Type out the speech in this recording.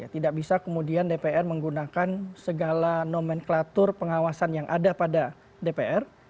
tidak bisa kemudian dpr menggunakan segala nomenklatur pengawasan yang ada pada dpr